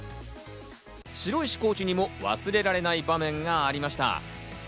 城石コーチにも忘れられない場面がありました。